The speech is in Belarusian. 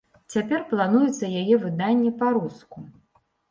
Цяпер плануецца яе выданне па-руску.